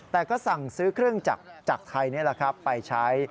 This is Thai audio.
แต่ก็สั่งซื้อเครื่องจากไทยไปใช้